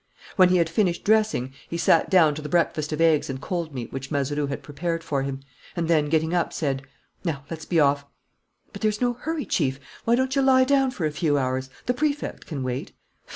When he had finished dressing, he sat down to the breakfast of eggs and cold meat which Mazeroux had prepared for him; and then, getting up, said: "Now, let's be off." "But there's no hurry, Chief. Why don't you lie down for a few hours? The Prefect can wait."